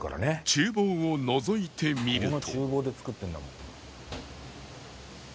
厨房をのぞいてみると